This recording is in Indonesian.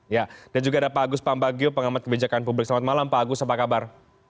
ya dan juga ada pak agus pambagio pengamat kebijakan publik selamat malam pak agus apa kabar